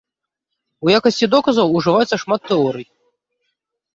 У якасці доказаў ужываецца шмат тэорый.